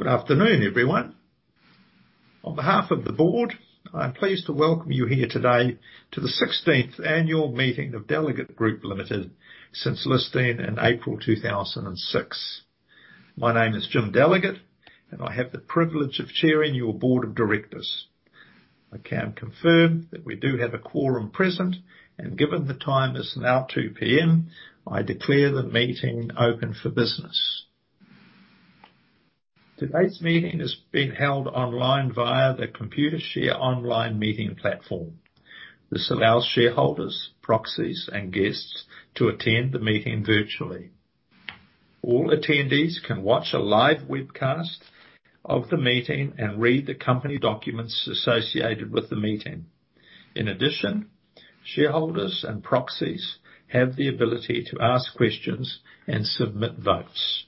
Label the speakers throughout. Speaker 1: Good afternoon, everyone. On behalf of the board, I'm pleased to welcome you here today to the 16th Annual Meeting of Delegat Group Limited since listing in April 2006. My name is Jim Delegat, and I have the privilege of chairing your board of directors. I can confirm that we do have a quorum present, and given the time is now 2 P.M., I declare the meeting open for business. Today's meeting is being held online via the Computershare Online Meeting platform. This allows shareholders, proxies and guests to attend the meeting virtually. All attendees can watch a live webcast of the meeting and read the company documents associated with the meeting. In addition, shareholders and proxies have the ability to ask questions and submit votes.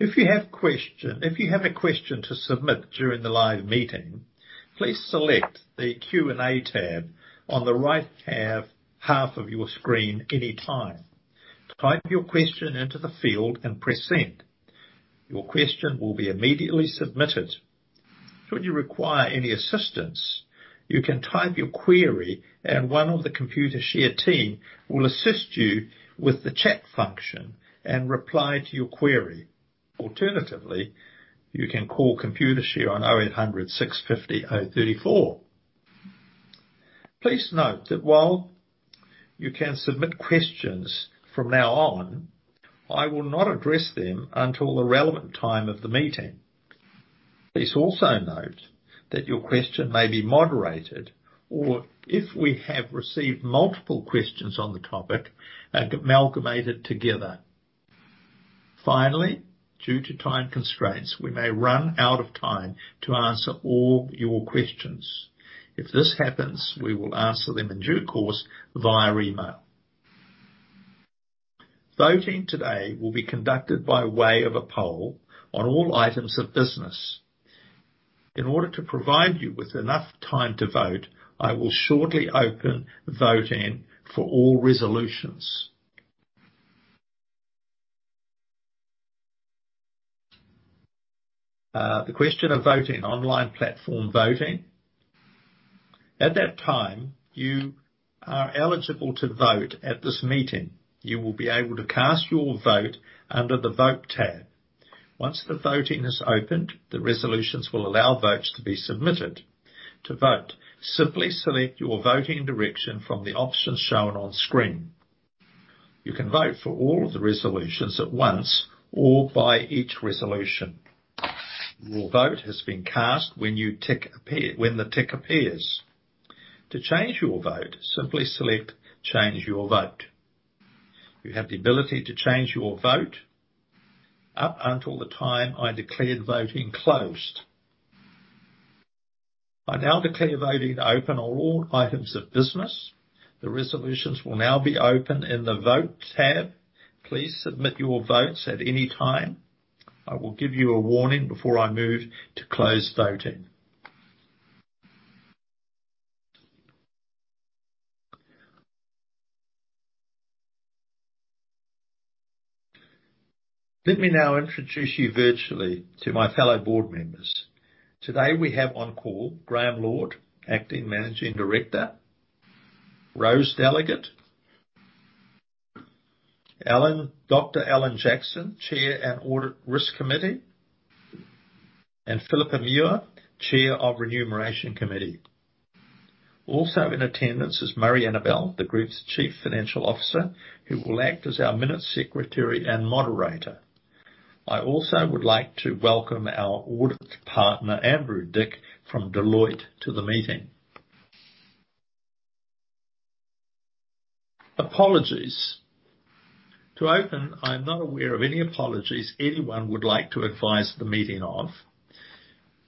Speaker 1: If you have a question to submit during the live meeting, please select the Q&A tab on the right half of your screen anytime. Type your question into the field and press Send. Your question will be immediately submitted. Should you require any assistance, you can type your query and one of the Computershare team will assist you with the chat function and reply to your query. Alternatively, you can call Computershare on 0800-650-034. Please note that while you can submit questions from now on, I will not address them until the relevant time of the meeting. Please also note that your question may be moderated, or if we have received multiple questions on the topic, amalgamated together. Finally, due to time constraints, we may run out of time to answer all your questions. If this happens, we will answer them in due course via email. Voting today will be conducted by way of a poll on all items of business. In order to provide you with enough time to vote, I will shortly open voting for all resolutions. The question of voting, online platform voting. At that time, if you are eligible to vote at this meeting, you will be able to cast your vote under the Vote tab. Once the voting is opened, the resolutions will allow votes to be submitted. To vote, simply select your voting direction from the options shown on screen. You can vote for all of the resolutions at once or by each resolution. Your vote has been cast when the tick appears. To change your vote, simply select Change Your Vote. You have the ability to change your vote up until the time I declare voting closed. I now declare voting open on all items of business. The resolutions will now be open in the Vote tab. Please submit your votes at any time. I will give you a warning before I move to close voting. Let me now introduce you virtually to my fellow board members. Today we have on call Graeme Lord, Acting Managing Director. Rose Delegat. Dr. Alan Jackson, Chair of Audit and Risk Committee, and Phillipa Muir, Chair of Remuneration Committee. Also in attendance is Murray Annabell, the Group's Chief Financial Officer, who will act as our minute secretary and moderator. I also would like to welcome our Audit Partner, Andrew Dick, from Deloitte to the meeting. Apologies. To open, I'm not aware of any apologies anyone would like to advise the meeting of.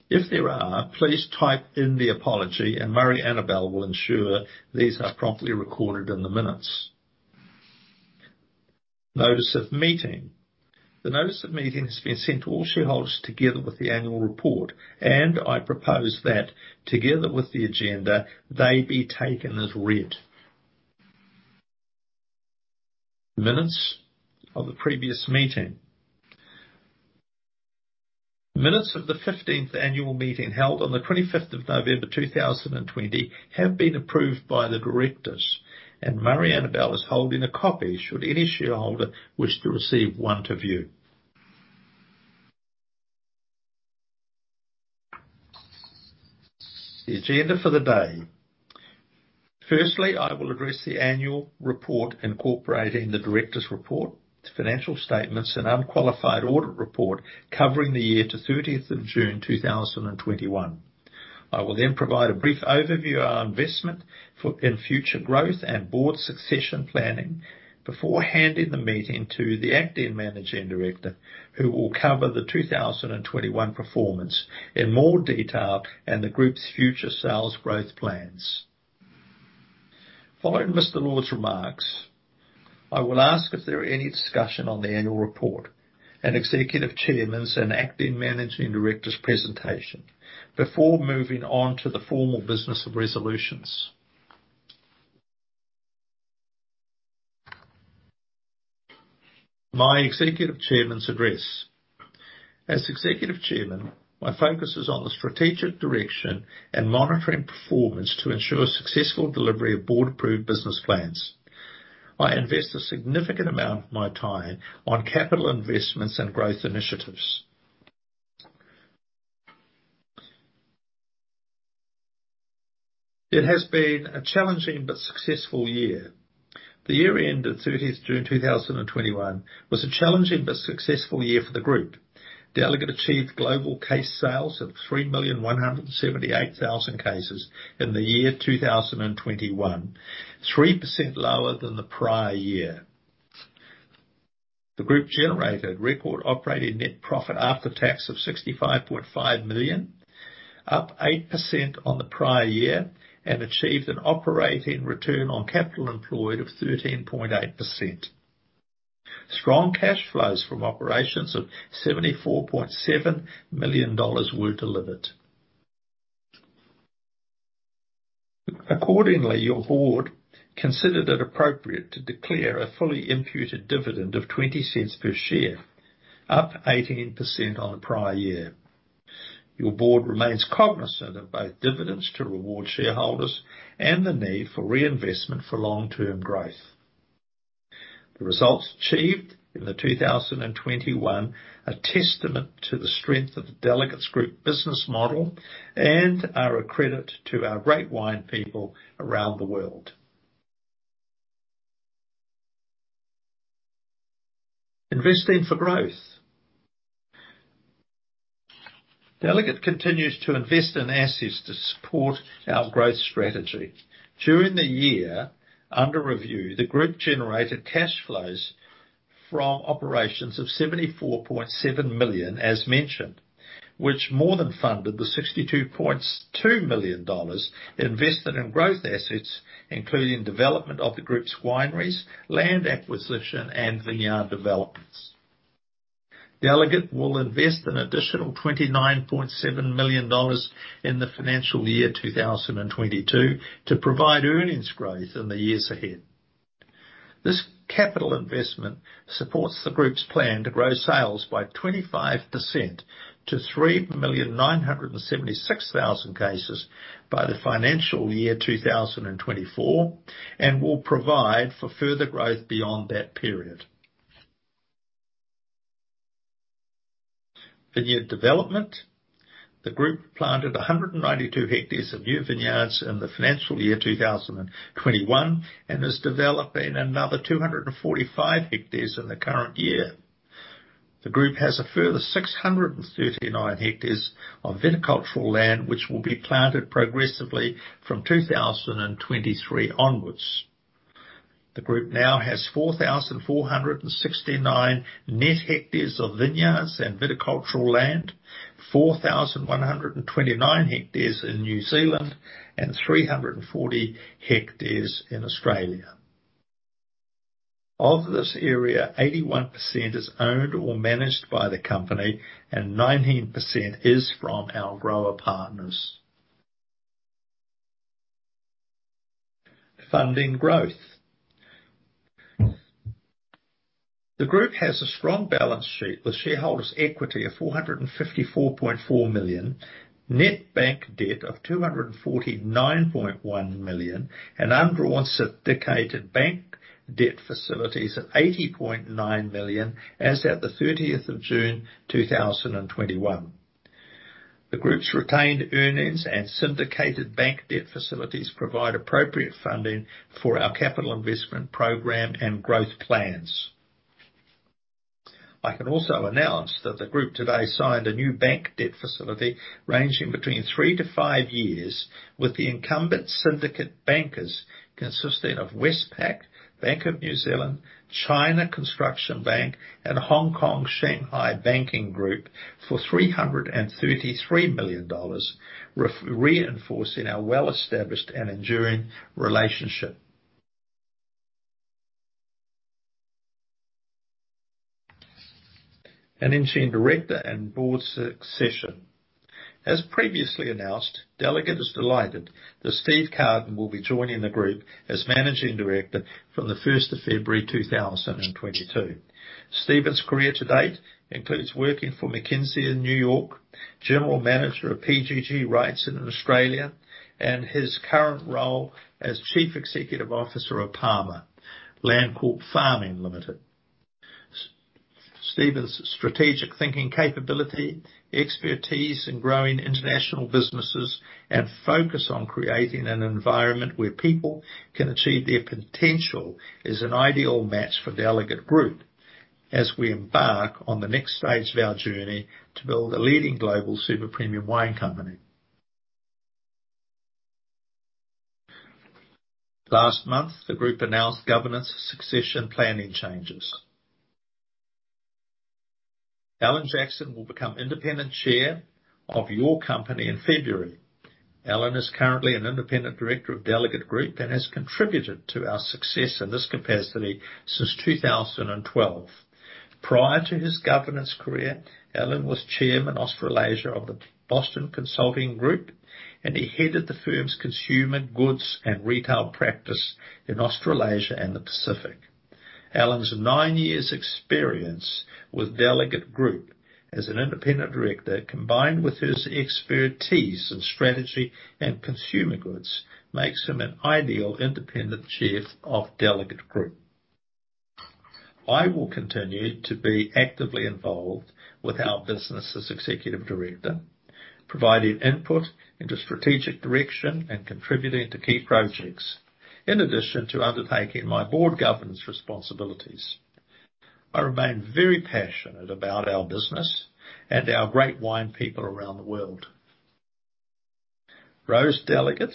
Speaker 1: If there are, please type in the apology and Murray Annabell will ensure these are promptly recorded in the minutes. Notice of meeting. The notice of meeting has been sent to all shareholders together with the annual report. I propose that together with the agenda, they be taken as read. Minutes of the previous meeting. Minutes of the 15th Annual Meeting held on the November 25th, 2020, have been approved by the directors, and Murray Annabell is holding a copy should any shareholder wish to receive one to view. The agenda for the day. Firstly, I will address the annual report, incorporating the directors report, financial statements and unqualified audit report covering the year to June 30th, 2021. I will then provide a brief overview of our investment in future growth and board succession planning before handing the meeting to the Acting Managing Director, who will cover the 2021 performance in more detail and the group's future sales growth plans. Following Mr. Lord's remarks, I will ask if there are any discussion on the annual report, Executive Chairman's and Acting Managing Director's presentation, before moving on to the formal business of resolutions. My Executive Chairman's address. As Executive Chairman, my focus is on the strategic direction and monitoring performance to ensure successful delivery of board-approved business plans. I invest a significant amount of my time on capital investments and growth initiatives. It has been a challenging but successful year. The year-end of June 30, 2021, was a challenging but successful year for the group. Delegat achieved global case sales of 3,178,000 cases in the year 2021, 3% lower than the prior year. The group generated record Operating Net profit After Tax of 65.5 million, up 8% on the prior year, and achieved an Operating Return on Capital Employed of 13.8%. Strong cash flows from operations of 74.7 million dollars were delivered. Accordingly, your board considered it appropriate to declare a fully imputed dividend of 0.20 per share, up 18% on the prior year. Your board remains cognizant of both dividends to reward shareholders and the need for reinvestment for long-term growth. The results achieved in the 2021 are testament to the strength of the Delegat Group's business model and are a credit to our great wine people around the world. Investing for growth. Delegat continues to invest in assets to support our growth strategy. During the year under review, the group generated cash flows from operations of 74.7 million, as mentioned, which more than funded the 62.2 million dollars invested in growth assets, including development of the group's wineries, land acquisition, and vineyard developments. Delegat will invest an additional 29.7 million dollars in the financial year 2022 to provide earnings growth in the years ahead. This capital investment supports the group's plan to grow sales by 25% to 3,976,000 cases by the financial year 2024, and will provide for further growth beyond that period. Vineyard development. The group planted 192 hectares of new vineyards in the financial year 2021 and is developing another 245 hectares in the current year. The group has a further 639 hectares of viticultural land, which will be planted progressively from 2023 onwards. The group now has 4,469 net hectares of vineyards and viticultural land, 4,129 hectares in New Zealand and 340 hectares in Australia. Of this area, 81% is owned or managed by the company, and 19% is from our grower partners. Funding growth. The group has a strong balance sheet with shareholders' equity of 454.4 million, net bank debt of 249.1 million, and undrawn syndicated bank debt facilities of 80.9 million as of the June 30th, 2021. The group's retained earnings and syndicated bank debt facilities provide appropriate funding for our capital investment program and growth plans. I can also announce that the group today signed a new bank debt facility ranging between three-five years with the incumbent syndicate bankers consisting of Westpac, Bank of New Zealand, China Construction Bank, and Hongkong and Shanghai Banking Corporation for 333 million dollars, reinforcing our well-established and enduring relationship. Manging director and board succession. As previously announced, Delegat is delighted that Steven Carden will be joining the group as Managing Director from February 1, 2022. Steven's career to date includes working for McKinsey in New York, General Manager of PGG Wrightson in Australia, and his current role as Chief Executive Officer of Pāmu Landcorp Farming Limited. Steven's strategic thinking capability, expertise in growing international businesses, and focus on creating an environment where people can achieve their potential is an ideal match for Delegat Group as we embark on the next stage of our journey to build a leading global Super Premium wine company. Last month, the group announced governance succession planning changes. Alan Jackson will become independent chair of your company in February. Alan is currently an independent director of Delegat Group and has contributed to our success in this capacity since 2012. Prior to his governance career, Alan Jackson was Chairman Australasia of the Boston Consulting Group, and he headed the firm's consumer goods and retail practice in Australasia and the Pacific. Alan Jackson's nine years experience with Delegat Group as an independent director, combined with his expertise in strategy and consumer goods, makes him an ideal independent Chair of Delegat Group. I will continue to be actively involved with our business as Executive Director, providing input into strategic direction and contributing to key projects, in addition to undertaking my board governance responsibilities. I remain very passionate about our business and our great wine people around the world. Rose Delegat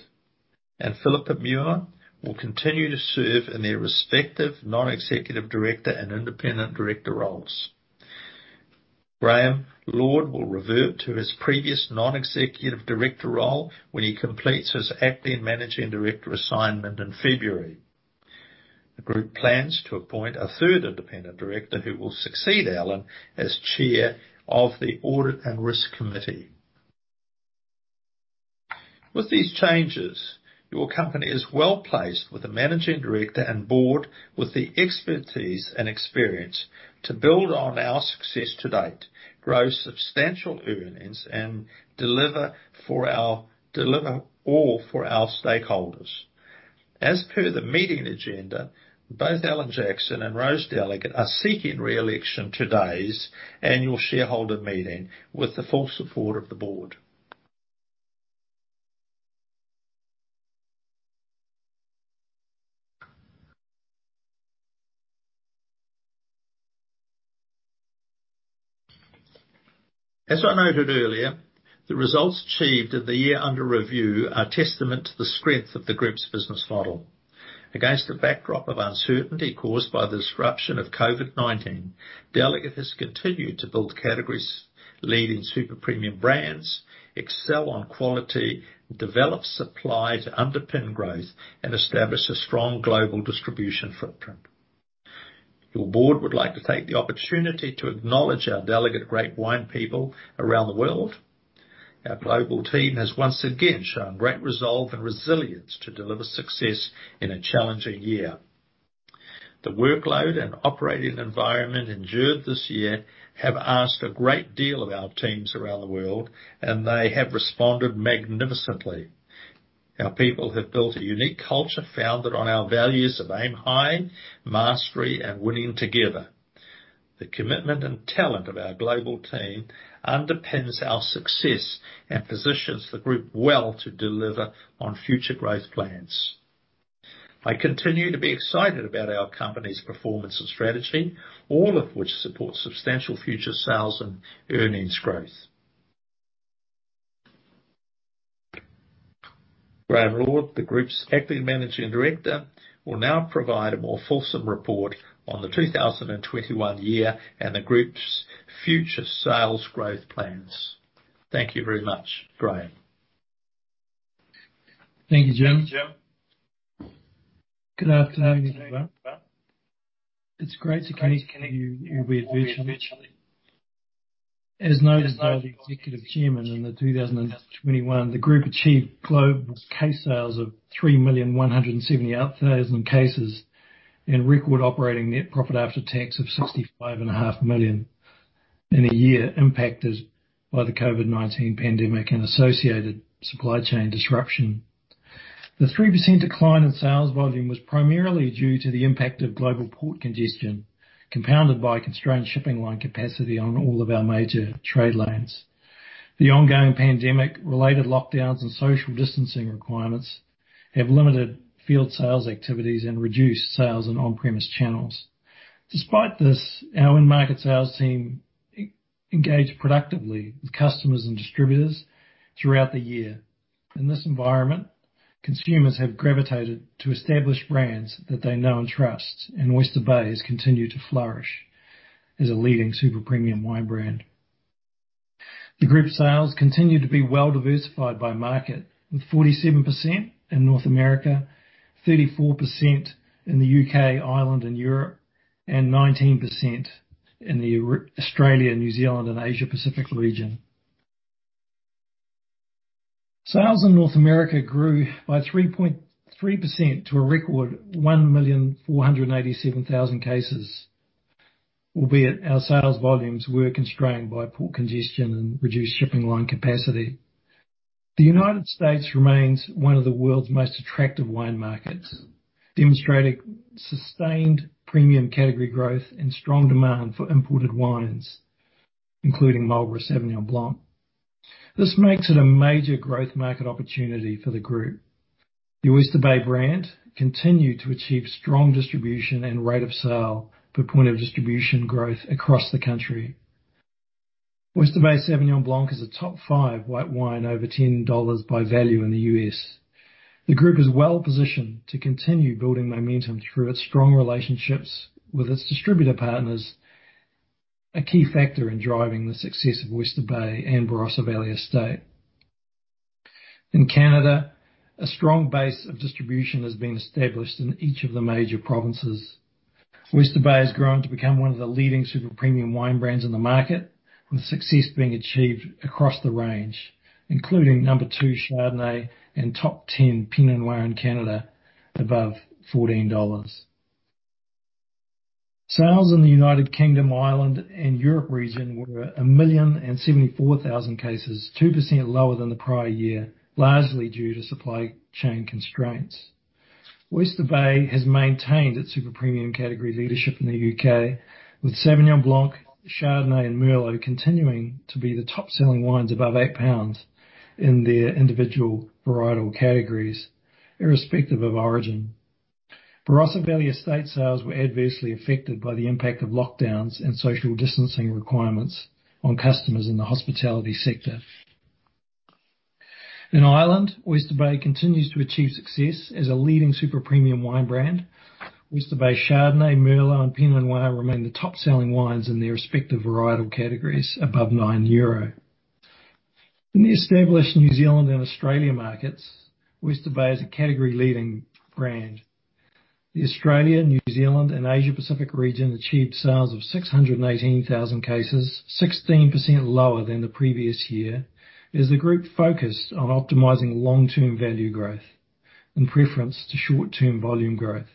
Speaker 1: and Phillipa Muir will continue to serve in their respective Non-Executive Director and Independent Director roles. Graeme Lord will revert to his previous Non-Executive Director role when he completes his acting Managing Director assignment in February. The group plans to appoint a third independent director who will succeed Alan Jackson as Chair of the Audit and Risk Committee. With these changes, your company is well-placed with a managing director and board with the expertise and experience to build on our success to date, grow substantial earnings, and deliver all for our stakeholders. As per the meeting agenda, both Alan Jackson and Rose Delegat are seeking re-election at today's annual shareholder meeting with the full support of the board. As I noted earlier, the results achieved in the year under review are testament to the strength of the group's business model. Against a backdrop of uncertainty caused by the disruption of COVID-19, Delegat has continued to build category-leading Super Premium brands, excel on quality, develop supply to underpin growth, and establish a strong global distribution footprint. Your board would like to take the opportunity to acknowledge our Delegat great wine people around the world. Our global team has once again shown great resolve and resilience to deliver success in a challenging year. The workload and operating environment endured this year have asked a great deal of our teams around the world, and they have responded magnificently. Our people have built a unique culture founded on our values of aim high, mastery, and winning together. The commitment and talent of our global team underpins our success and positions the group well to deliver on future growth plans. I continue to be excited about our company's performance and strategy, all of which support substantial future sales and earnings growth. Graeme Lord, the group's Acting Managing Director, will now provide a more fulsome report on the 2021 year and the group's future sales growth plans. Thank you very much. Graeme.
Speaker 2: Thank you, Jim. Good afternoon, everyone. It's great to connect with you all virtually. As noted by the Executive Chairman, in 2021, the group achieved global case sales of 3,178,000 cases and record Operating Net Profit After Tax of 65.5 million in a year impacted by the COVID-19 pandemic and associated supply chain disruption. The 3% decline in sales volume was primarily due to the impact of global port congestion, compounded by constrained shipping line capacity on all of our major trade lanes. The ongoing pandemic-related lockdowns and social distancing requirements have limited field sales activities and reduced sales in on-premise channels. Despite this, our in-market sales team re-engaged productively with customers and distributors throughout the year. In this environment, consumers have gravitated to established brands that they know and trust, and Oyster Bay has continued to flourish as a leading Super Premium wine brand. The group sales continue to be well-diversified by market, with 47% in North America, 34% in the U.K., Ireland and Europe, and 19% in Australia, New Zealand and Asia Pacific region. Sales in North America grew by 3.3% to a record 1,487,000 cases, albeit our sales volumes were constrained by port congestion and reduced shipping line capacity. The United States remains one of the world's most attractive wine markets, demonstrating sustained premium category growth and strong demand for imported wines, including Marlborough Sauvignon Blanc. This makes it a major growth market opportunity for the group. The Oyster Bay brand continued to achieve strong distribution and rate of sale for point of distribution growth across the country. Oyster Bay Sauvignon Blanc is a top five white wine over $10 by value in the U.S. The group is well-positioned to continue building momentum through its strong relationships with its distributor partners. A key factor in driving the success of Oyster Bay and Barossa Valley Estate. In Canada, a strong base of distribution has been established in each of the major provinces. Oyster Bay has grown to become one of the leading Super Premium wine brands in the market, with success being achieved across the range, including number two Chardonnay and top 10 Pinot Noir in Canada above 14 dollars. Sales in the United Kingdom, Ireland, and Europe region were 1,074,000 cases, 2% lower than the prior year, largely due to supply chain constraints. Oyster Bay has maintained its Super Premium category leadership in the U.K., with Sauvignon Blanc, Chardonnay, and Merlot continuing to be the top-selling wines above 8 pounds in their individual varietal categories, irrespective of origin. Barossa Valley Estate sales were adversely affected by the impact of lockdowns and social distancing requirements on customers in the hospitality sector. In Ireland, Oyster Bay continues to achieve success as a leading Super Premium wine brand. Oyster Bay Chardonnay, Merlot, and Pinot Noir remain the top-selling wines in their respective varietal categories above 9 euro. In the established New Zealand and Australia markets, Oyster Bay is a category-leading brand. The Australia, New Zealand, and Asia Pacific region achieved sales of 618,000 cases, 16% lower than the previous year, as the group focused on optimizing long-term value growth in preference to short-term volume growth.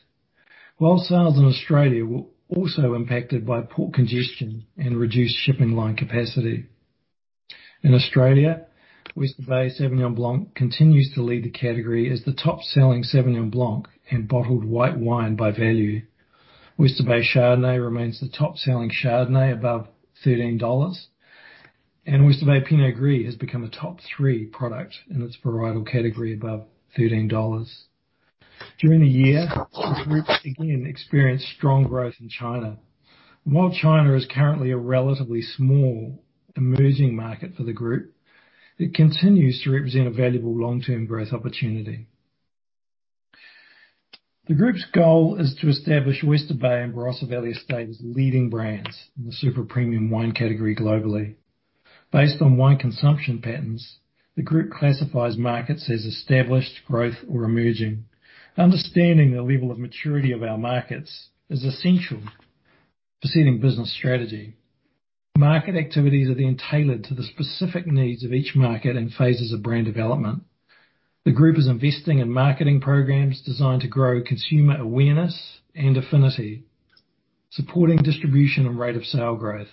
Speaker 2: While sales in Australia were also impacted by port congestion and reduced shipping line capacity. In Australia, Oyster Bay Sauvignon Blanc continues to lead the category as the top-selling Sauvignon Blanc and bottled white wine by value. Oyster Bay Chardonnay remains the top-selling Chardonnay above 13 dollars, and Oyster Bay Pinot Gris has become a top three product in its varietal category above 13 dollars. During the year, the group again experienced strong growth in China. While China is currently a relatively small emerging market for the group, it continues to represent a valuable long-term growth opportunity. The group's goal is to establish Oyster Bay and Barossa Valley Estate as leading brands in the Super Premium wine category globally. Based on wine consumption patterns, the group classifies markets as established, growth, or emerging. Understanding the level of maturity of our markets is essential for setting business strategy. Market activities are then tailored to the specific needs of each market and phases of brand development. The group is investing in marketing programs designed to grow consumer awareness and affinity, supporting distribution and rate of sale growth.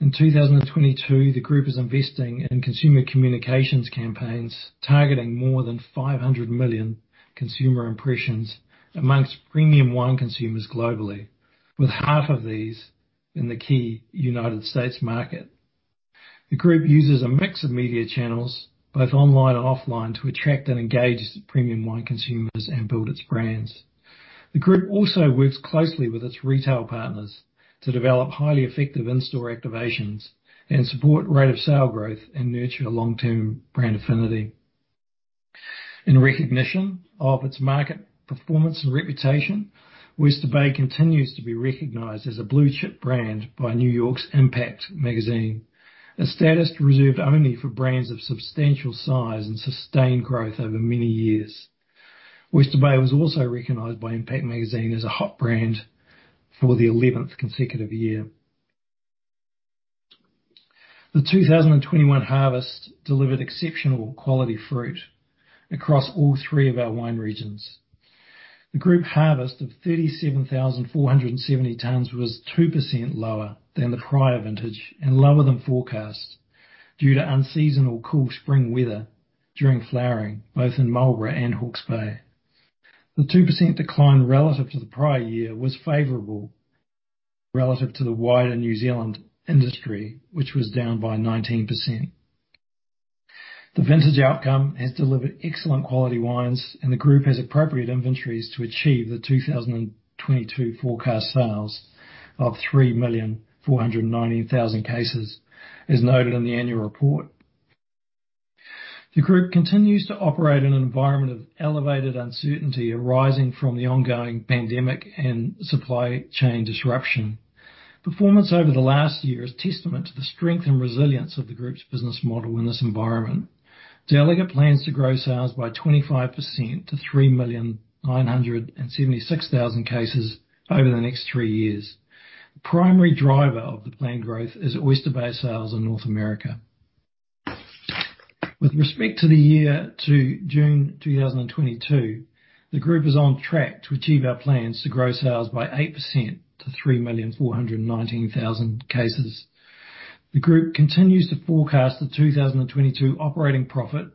Speaker 2: In 2022, the group is investing in consumer communications campaigns targeting more than 500 million consumer impressions amongst premium wine consumers globally, with half of these in the key United States market. The group uses a mix of media channels, both online and offline, to attract and engage premium wine consumers and build its brands. The group also works closely with its retail partners to develop highly effective in-store activations and support rate of sale growth and nurture long-term brand affinity. In recognition of its market performance and reputation, Oyster Bay continues to be recognized as a Blue Chip Brand by New York's Impact Magazine, a status reserved only for brands of substantial size and sustained growth over many years. Oyster Bay was also recognized by Impact Magazine as a Hot Brand for the eleventh consecutive year. The 2021 harvest delivered exceptional quality fruit across all three of our wine regions. The group harvest of 37,400 tons was 2% lower than the prior vintage and lower than forecast due to unseasonal cool spring weather during flowering, both in Marlborough and Hawke's Bay. The 2% decline relative to the prior year was favorable relative to the wider New Zealand industry, which was down by 19%. The vintage outcome has delivered excellent quality wines, and the group has appropriate inventories to achieve the 2022 forecast sales of 3,490,000 cases, as noted in the annual report. The group continues to operate in an environment of elevated uncertainty arising from the ongoing pandemic and supply chain disruption. Performance over the last year is testament to the strength and resilience of the group's business model in this environment. Delegat plans to grow sales by 25% to 3,976,000 cases over the next three years. Primary driver of the planned growth is Oyster Bay sales in North America. With respect to the year to June 2022, the group is on track to achieve our plans to grow sales by 8% to 3,419,000 cases. The group continues to forecast the 2022 operating profit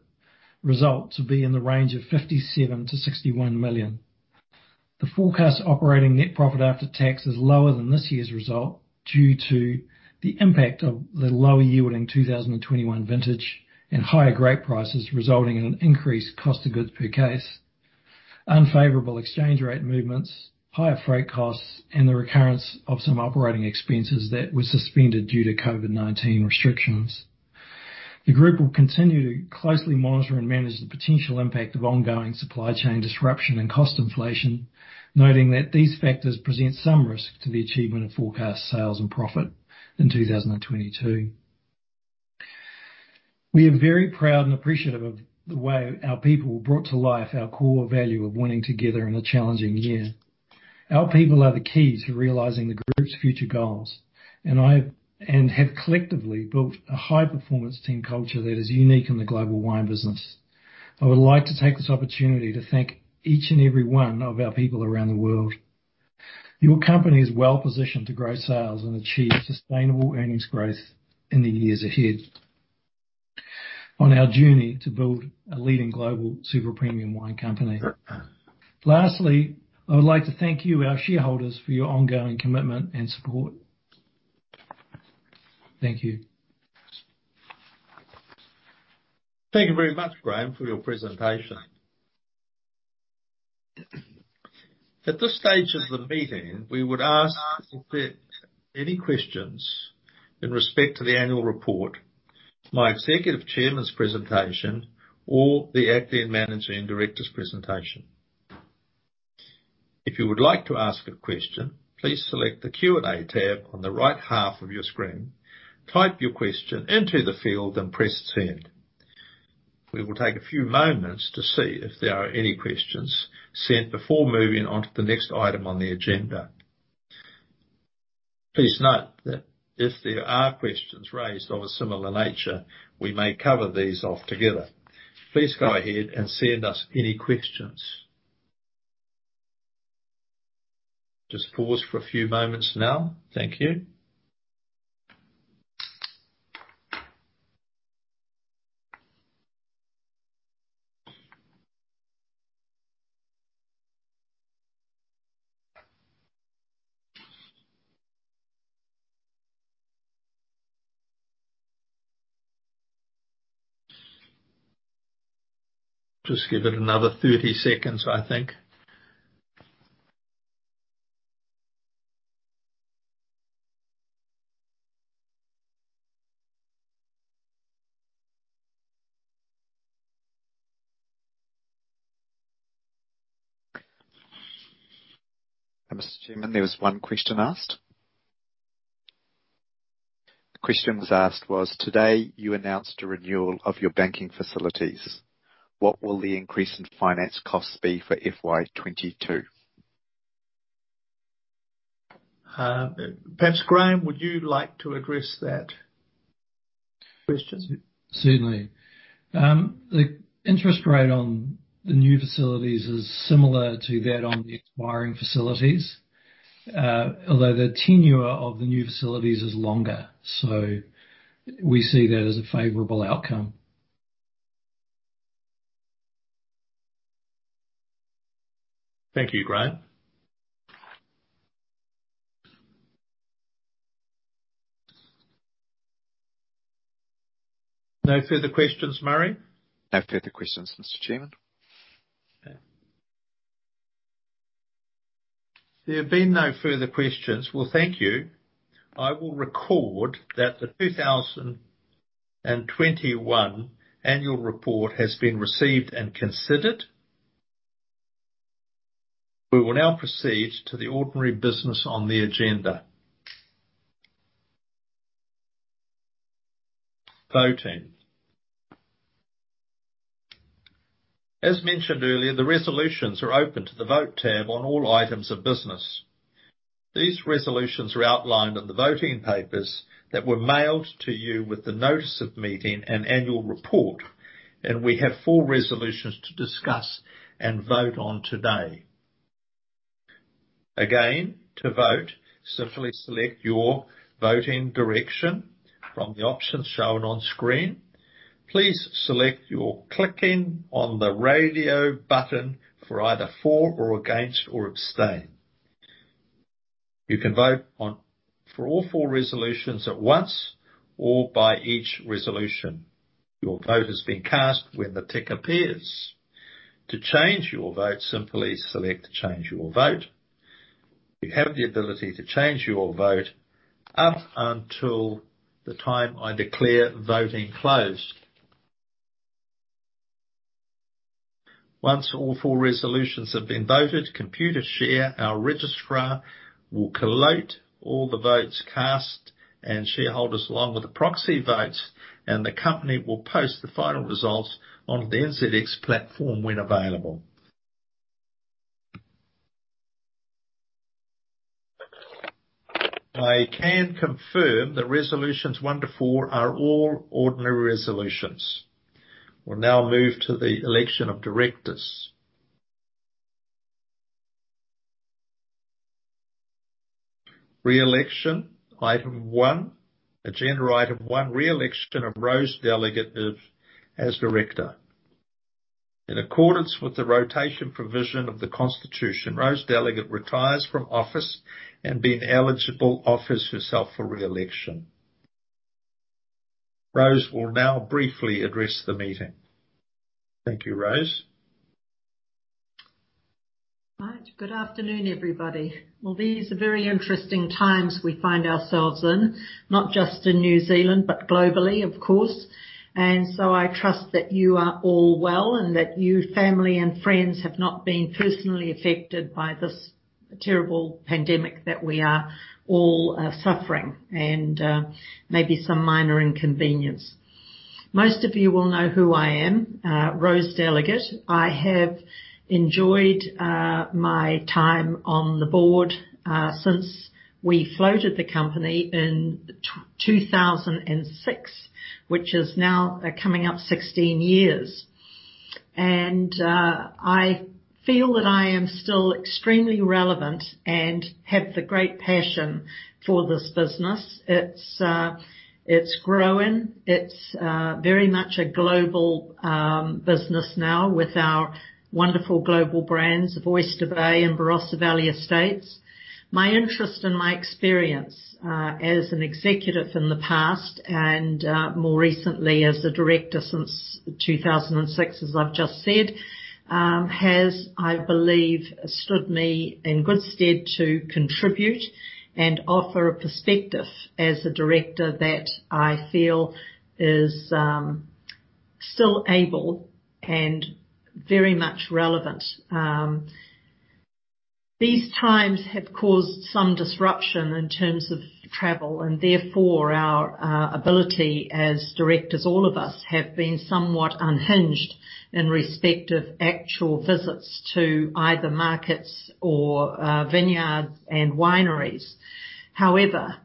Speaker 2: results will be in the range of 57 million-61 million. The forecast Operating Net Profit After Tax is lower than this year's result due to the impact of the lower yielding 2021 vintage and higher grape prices, resulting in an increased cost of goods per case, unfavorable exchange rate movements, higher freight costs, and the recurrence of some operating expenses that were suspended due to COVID-19 restrictions. The group will continue to closely monitor and manage the potential impact of ongoing supply chain disruption and cost inflation, noting that these factors present some risk to the achievement of forecast sales and profit in 2022. We are very proud and appreciative of the way our people brought to life our core value of winning together in a challenging year. Our people are the key to realizing the group's future goals, and have collectively built a high-performance team culture that is unique in the global wine business. I would like to take this opportunity to thank each and every one of our people around the world. Your company is well-positioned to grow sales and achieve sustainable earnings growth in the years ahead on our journey to build a leading global Super Premium wine company. Lastly, I would like to thank you, our shareholders, for your ongoing commitment and support. Thank you.
Speaker 1: Thank you very much, Graeme, for your presentation. At this stage of the meeting, we would ask if there's any questions in respect to the annual report, my Executive Chairman's presentation, or the Acting Managing Director's presentation. If you would like to ask a question, please select the Q&A tab on the right half of your screen, type your question into the field, and press Send. We will take a few moments to see if there are any questions sent before moving on to the next item on the agenda. Please note that if there are questions raised of a similar nature, we may cover these off together. Please go ahead and send us any questions. Just pause for a few moments now. Thank you. Just give it another 30 seconds, I think.
Speaker 3: Mr. Chairman, there was one question asked. The question that was asked was, today you announced a renewal of your banking facilities. What will the increase in finance costs be for FY 2022?
Speaker 1: Perhaps, Graeme, would you like to address that question?
Speaker 2: Certainly. The interest rate on the new facilities is similar to that on the expiring facilities, although the tenure of the new facilities is longer. We see that as a favorable outcome.
Speaker 1: Thank you, Graeme. No further questions, Murray?
Speaker 3: No further questions, Mr. Chairman.
Speaker 1: There have been no further questions. Well, thank you. I will record that the 2021 annual report has been received and considered. We will now proceed to the Ordinary Business on the Agenda. Voting. As mentioned earlier, the resolutions are open to the Vote tab on all items of business. These resolutions are outlined in the voting papers that were mailed to you with the notice of meeting and annual report, and we have four resolutions to discuss and vote on today. Again, to vote, simply select your voting direction from the options shown on screen. Please select by clicking on the radio button for either For or Against or Abstain. You can vote for all four resolutions at once or by each resolution. Your vote has been cast when the tick appears. To change your vote, simply select Change Your Vote. You have the ability to change your vote up until the time I declare voting closed. Once all four resolutions have been voted, Computershare, our registrar, will collate all the votes cast and shareholders along with the proxy votes, and the company will post the final results on the NZX platform when available. I can confirm that Resolutions 1-4 are all ordinary resolutions. We'll now move to the election of directors. Re-election item one. Agenda item one, re-election of Rose Delegat as director. In accordance with the rotation provision of the Constitution, Rose Delegat retires from office and being eligible, offers herself for re-election. Rose will now briefly address the meeting. Thank you, Rose.
Speaker 4: Good afternoon, everybody. Well, these are very interesting times we find ourselves in, not just in New Zealand, but globally, of course. I trust that you are all well and that you, family, and friends have not been personally affected by this terrible pandemic that we are all suffering and maybe some minor inconvenience. Most of you will know who I am, Rose Delegat. I have enjoyed my time on the board since we floated the company in 2006, which is now coming up 16 years. I feel that I am still extremely relevant and have the great passion for this business. It's growing. It's very much a global business now with our wonderful global brands of Oyster Bay and Barossa Valley Estate. My interest and my experience as an executive in the past and more recently as a director since 2006, as I've just said, has, I believe, stood me in good stead to contribute and offer a perspective as a director that I feel is still able and very much relevant. These times have caused some disruption in terms of travel, and therefore our ability as directors, all of us, have been somewhat unhinged in respect of actual visits to either markets or vineyards and wineries. However,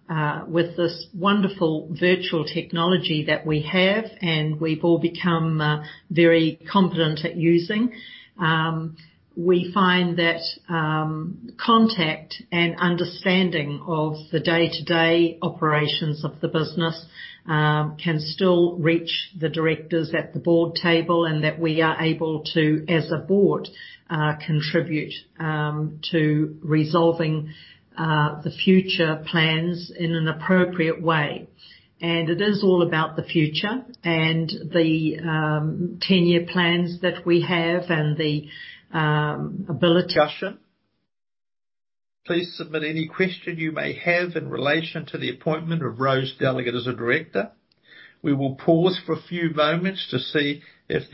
Speaker 4: with this wonderful virtual technology that we have, and we've all become very competent at using, we find that contact and understanding of the day-to-day operations of the business can still reach the directors at the board table, and that we are able to, as a board, contribute to resolving the future plans in an appropriate way. It is all about the future and the 10-year plans that we have and the ability-
Speaker 1: Is there any discussion? Please submit any question you may have in relation to the appointment of Rose Delegat as a Director. We will pause for a few moments to see if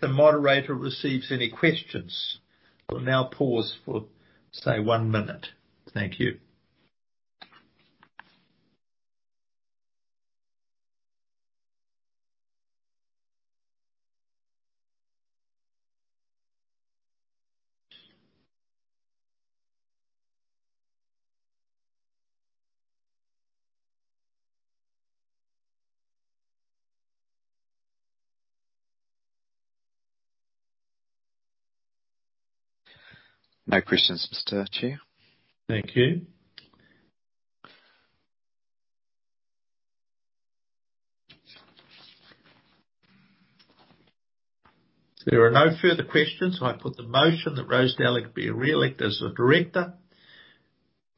Speaker 1: the moderator receives any questions. We'll now pause for, say, one minute. Thank you.
Speaker 3: No questions, Mr. Chair.
Speaker 1: Thank you. If there are no further questions, I put the motion that Rose Delegat be re-elected as the director.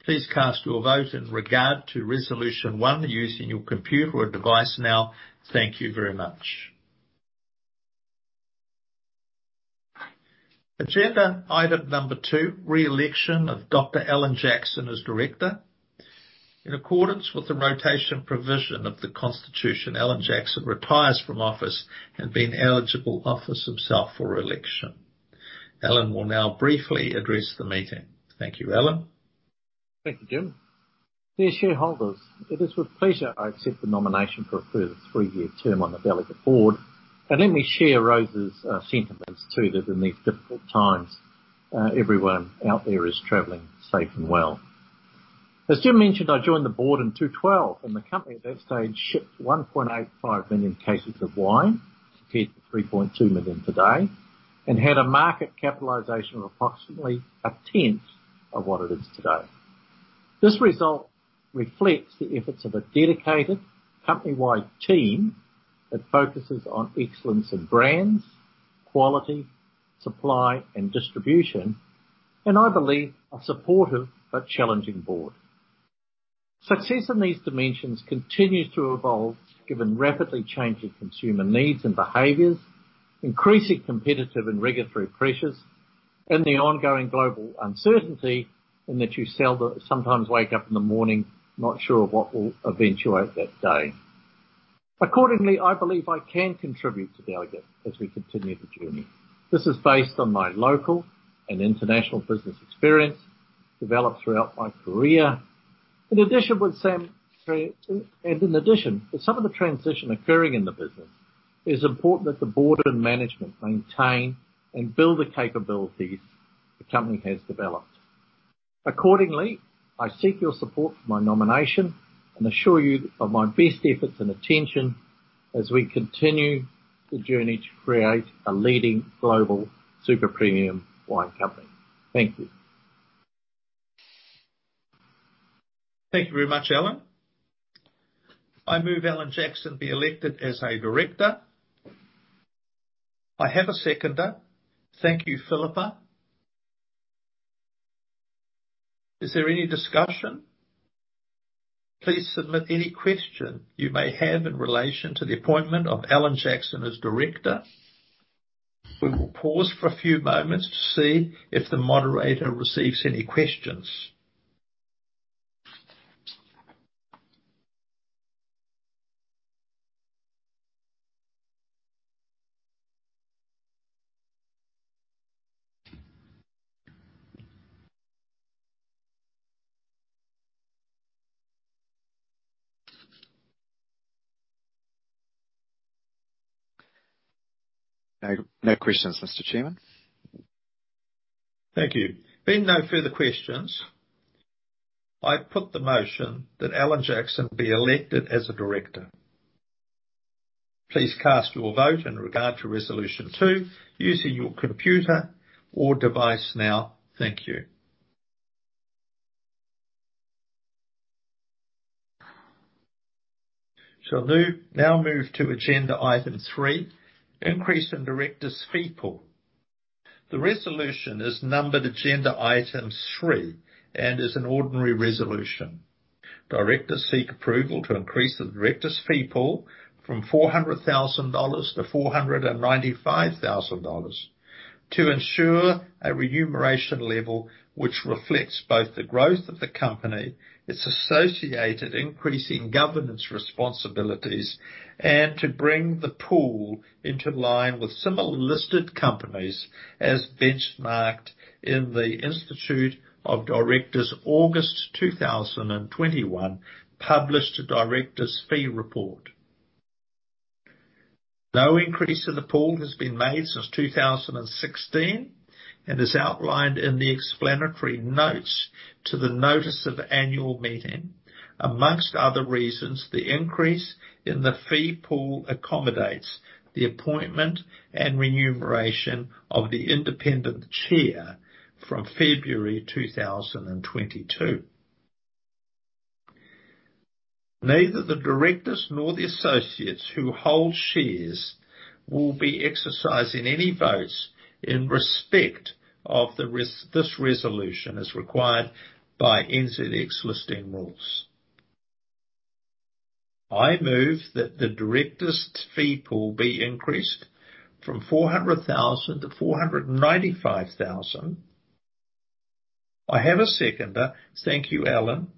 Speaker 1: Please cast your vote in regard to resolution one using your computer or device now. Thank you very much. Agenda item number two, re-election of Dr. Alan Jackson as director. In accordance with the rotation provision of the Constitution, Alan Jackson retires from office and being eligible offers himself for re-election. Alan will now briefly address the meeting. Thank you, Alan.
Speaker 5: Thank you, Jim. Dear shareholders, it is with pleasure I accept the nomination for a further three-year term on the Delegat Board. Let me share Rose's sentiments, too, that in these difficult times, everyone out there is traveling safe and well. As Jim mentioned, I joined the board in 2012, and the company at that stage shipped 1.85 million cases of wine compared to 3.2 million today and had a market capitalization of approximately a tenth of what it is today. This result reflects the efforts of a dedicated company-wide team that focuses on excellence in brands, quality, supply, and distribution, and I believe a supportive but challenging board. Success in these dimensions continues to evolve given rapidly changing consumer needs and behaviors, increasing competitive and regulatory pressures, and the ongoing global uncertainty in that you sometimes wake up in the morning not sure what will eventuate that day. Accordingly, I believe I can contribute to Delegat as we continue the journey. This is based on my local and international business experience developed throughout my career. In addition, with some of the transition occurring in the business, it is important that the board and management maintain and build the capabilities the company has developed. Accordingly, I seek your support for my nomination and assure you of my best efforts and attention as we continue the journey to create a leading global Super Premium wine company. Thank you.
Speaker 1: Thank you very much, Alan. I move Alan Jackson be elected as a director. I have a seconder. Thank you, Phillipa. Is there any discussion? Please submit any question you may have in relation to the appointment of Alan Jackson as Director. We will pause for a few moments to see if the moderator receives any questions.
Speaker 3: No, no questions, Mr. Chairman.
Speaker 1: Thank you. There being no further questions, I put the motion that Alan Jackson be elected as a director. Please cast your vote in regard to resolution two using your computer or device now. Thank you. I shall now move to agenda item three, increase in directors' fee pool. The resolution is numbered agenda item three and is an ordinary resolution. Directors seek approval to increase the directors' fee pool from 400,000-495,000 dollars to ensure a remuneration level which reflects both the growth of the company, its associated increase in governance responsibilities, and to bring the pool into line with similar listed companies as benchmarked in the Institute of Directors' August 2021 published directors' fee report. No increase in the pool has been made since 2016 and is outlined in the explanatory notes to the notice of annual meeting. Among other reasons, the increase in the fee pool accommodates the appointment and remuneration of the independent chair from February 2022. Neither the directors nor the associates who hold shares will be exercising any votes in respect of this resolution, as required by NZX Listing Rules. I move that the directors' fee pool be increased from 400,000-495,000. I have a seconder. Thank you, Alan.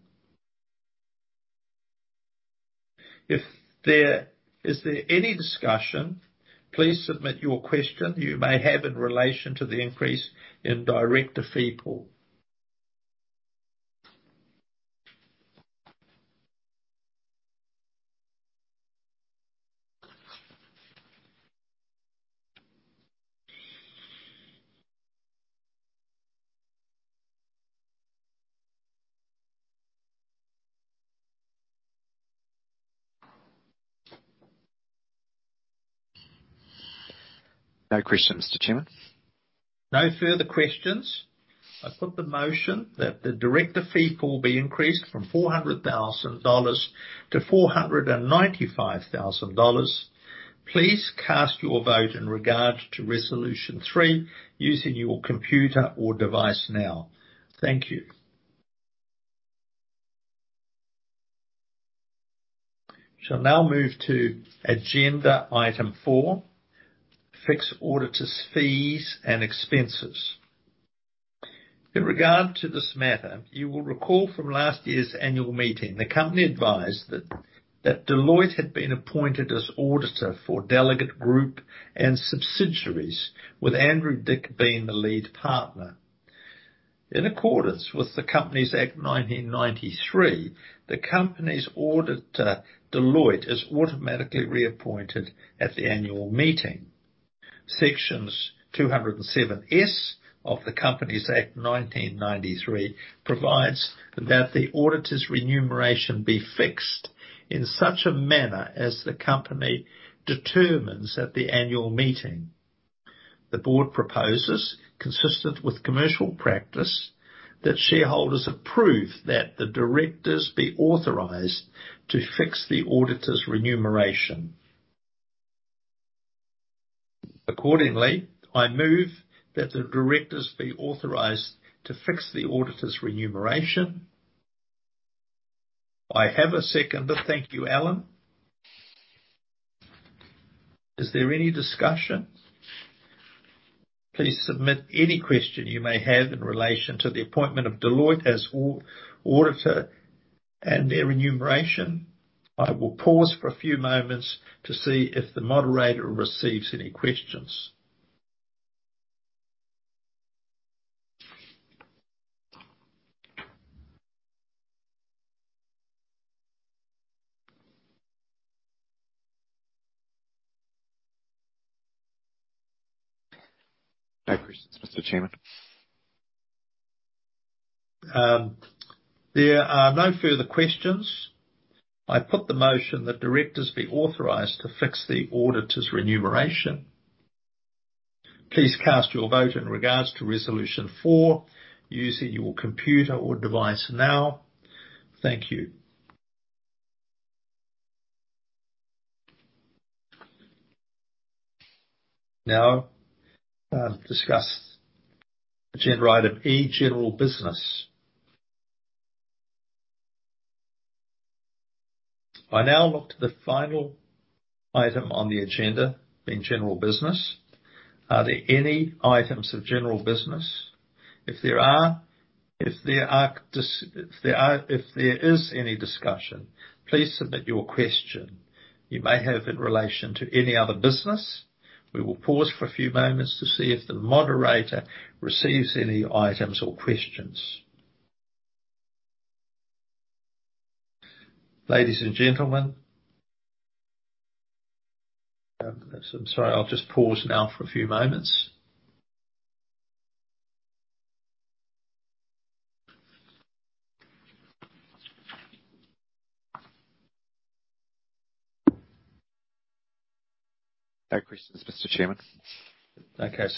Speaker 1: Is there any discussion? Please submit any question you may have in relation to the increase in directors' fee pool.
Speaker 3: No question, Mr. Chairman.
Speaker 1: No further questions. I put the motion that the director fee pool be increased from 400,000-495,000 dollars. Please cast your vote in regard to resolution three using your computer or device now. Thank you. Shall now move to agenda item four, fix auditor's fees and expenses. In regard to this matter, you will recall from last year's annual meeting, the company advised that Deloitte had been appointed as auditor for Delegat Group and subsidiaries, with Andrew Dick being the lead partner. In accordance with the Companies Act 1993, the company's auditor, Deloitte, is automatically reappointed at the annual meeting. Section 207S of the Companies Act 1993 provides that the auditor's remuneration be fixed in such a manner as the company determines at the annual meeting. The board proposes, consistent with commercial practice, that shareholders approve that the directors be authorized to fix the auditor's remuneration. Accordingly, I move that the directors be authorized to fix the auditor's remuneration. I have a seconder. Thank you, Alan. Is there any discussion? Please submit any question you may have in relation to the appointment of Deloitte as auditor and their remuneration. I will pause for a few moments to see if the moderator receives any questions.
Speaker 3: No questions, Mr. Chairman.
Speaker 1: There are no further questions. I put the motion that directors be authorized to fix the auditor's remuneration. Please cast your vote in regard to resolution four using your computer or device now. Thank you. Now, discuss agenda item E, general business. I now look to the final item on the agenda, being general business. Are there any items of general business? If there is any discussion, please submit your question you may have in relation to any other business. We will pause for a few moments to see if the moderator receives any items or questions. Ladies and gentlemen. I'm sorry. I'll just pause now for a few moments.
Speaker 3: No questions, Mr. Chairman.
Speaker 1: Okay.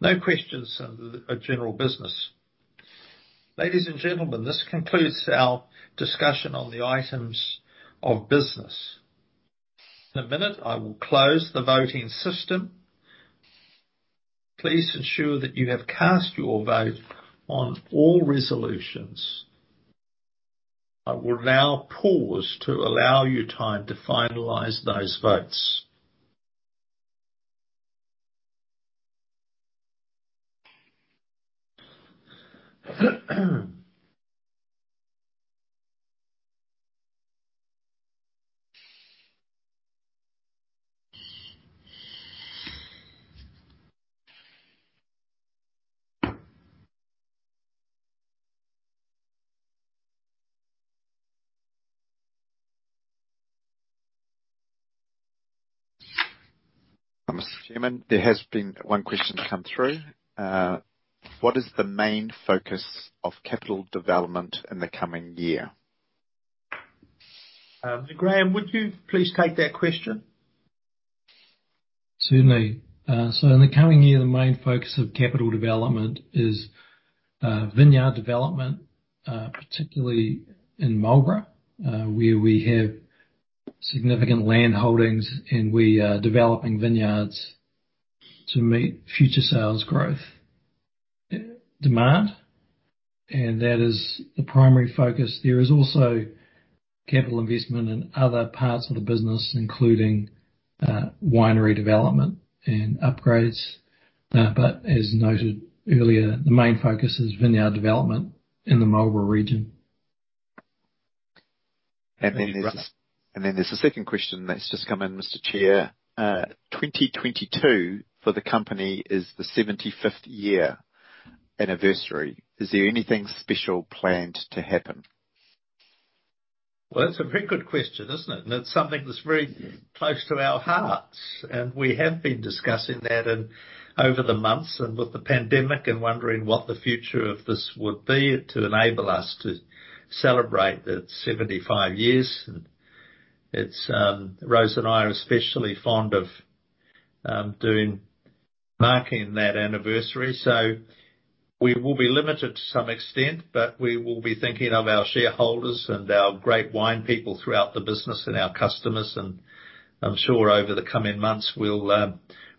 Speaker 1: No questions of general business. Ladies and gentlemen, this concludes our discussion on the items of business. In a minute, I will close the voting system. Please ensure that you have cast your vote on all resolutions. I will now pause to allow you time to finalize those votes.
Speaker 3: Mr. Chairman, there has been one question come through. What is the main focus of capital development in the coming year?
Speaker 1: Graeme, would you please take that question?
Speaker 2: Certainly. In the coming year, the main focus of capital development is vineyard development, particularly in Marlborough, where we have significant land holdings, and we are developing vineyards to meet future sales growth demand. That is the primary focus. There is also capital investment in other parts of the business, including winery development and upgrades. As noted earlier, the main focus is vineyard development in the Marlborough region.
Speaker 3: There's a second question that's just come in, Mr. Chair. 2022 for the company is the seventy-fifth year anniversary. Is there anything special planned to happen?
Speaker 1: Well, that's a very good question, isn't it? It's something that's very close to our hearts. We have been discussing that over the months and with the pandemic and wondering what the future of this would be to enable us to celebrate the 75 years. Rose and I are especially fond of marking that anniversary. We will be limited to some extent, but we will be thinking of our shareholders and our great wine people throughout the business and our customers. I'm sure over the coming months we'll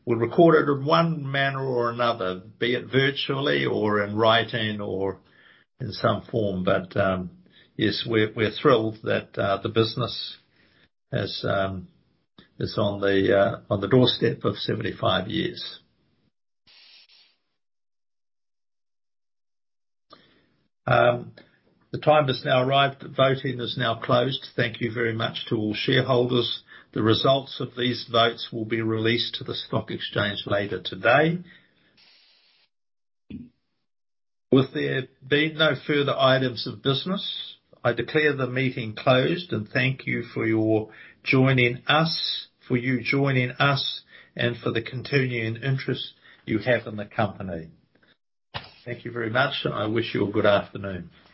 Speaker 1: record it in one manner or another. Be it virtually or in writing or in some form. Yes, we're thrilled that the business is on the doorstep of 75 years. The time has now arrived. The voting is now closed. Thank you very much to all shareholders. The results of these votes will be released to the stock exchange later today. With there being no further items of business, I declare the meeting closed and thank you for your joining us and for the continuing interest you have in the company. Thank you very much. I wish you a good afternoon.